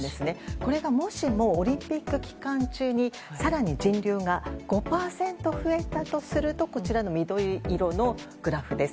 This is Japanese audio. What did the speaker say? これが、もしもオリンピック期間中に更に人流が５％増えたとするとこちらの緑色のグラフです。